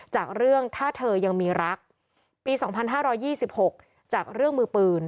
จากเรื่องถ้าเธอยังมีรักปี๒๕๒๖จากเรื่องมือปืน